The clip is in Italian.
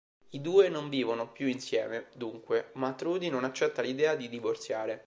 I due non vivono più insieme, dunque, ma Trudy non accetta l'idea di divorziare.